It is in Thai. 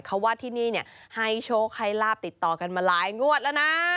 เขาว่าที่นี่ให้โชคให้ลาบติดต่อกันมาหลายงวดแล้วนะ